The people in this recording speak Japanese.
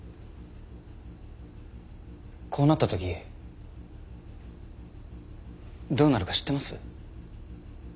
こうなった時どうなるか知ってます？